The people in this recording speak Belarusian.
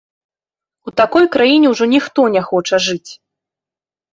У такой краіне ўжо ніхто не хоча жыць!